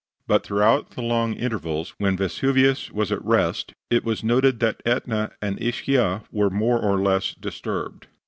But throughout the long intervals when Vesuvius was at rest it was noted that Etna and Ischia were more or less disturbed.